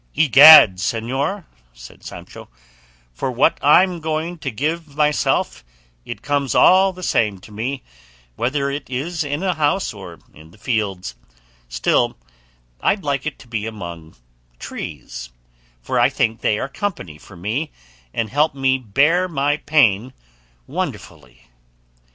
"Egad, señor," said Sancho, "for what I'm going to give myself, it comes all the same to me whether it is in a house or in the fields; still I'd like it to be among trees; for I think they are company for me and help me to bear my pain wonderfully."